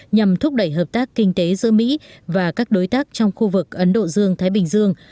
nhằm thúc đẩy hợp tác kinh tế giữa mỹ và các đối tác trong khu vực ấn độ dương thái bình dương